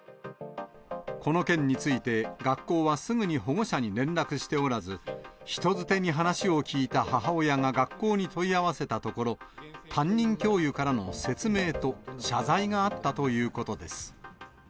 この件について、学校はすぐに保護者に連絡しておらず、人づてに話を聞いた母親が学校に問い合わせたところ、担任教諭からの説明と謝罪があったということです。